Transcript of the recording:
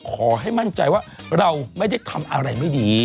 ขอให้มั่นใจว่าเราไม่ได้ทำอะไรไม่ดี